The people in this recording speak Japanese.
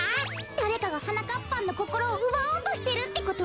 だれかがはなかっぱんのこころをうばおうとしてるってこと？